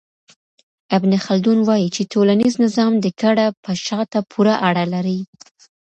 ابن خلدون وايي چي ټولنيز نظام د کډه په شاته پوري اړه لري.